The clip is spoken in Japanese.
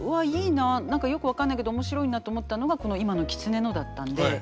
何かよく分かんないけど面白いな」と思ったのがこの今の狐のだったんで。